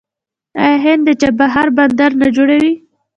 آیا هند د چابهار بندر نه جوړوي؟